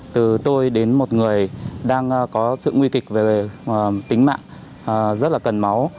từ tôi đến một người đang có sự nguy kịch về tính mạng rất là cần máu